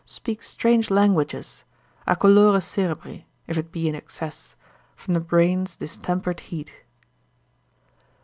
speak strange languages, a colore cerebri (if it be in excess) from the brain's distempered heat.